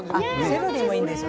セロリでもいいんですよ。